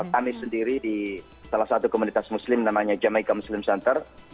kami sendiri di salah satu komunitas muslim namanya jamaica muslim center